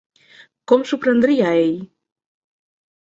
Com s'ho prendria ell?